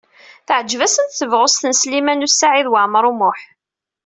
Teɛjeb-asent tebɣest n Sliman U Saɛid Waɛmaṛ U Muḥ.